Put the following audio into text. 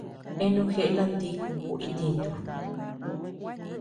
Eanu jeʼe lantikuu itintu.